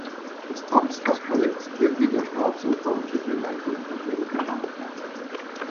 Es tanzt das Ballett der Wiener Staatsoper unter der Leitung von Erika Hanka.